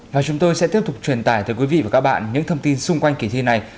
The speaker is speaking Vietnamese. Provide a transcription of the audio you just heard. và chúng tôi sẽ tiếp tục truyền tải tới quý vị và các bạn những thông tin xung quanh kỳ thi này